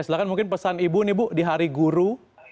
silahkan mungkin pesan ibu nih bu di hari guru